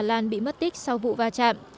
xà lan bị mất tích sau vụ va chạm